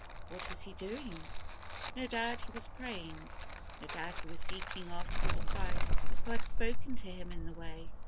What was he doing? No doubt he was praying. No doubt he was seeking after this Christ, who had spoken to him in the way.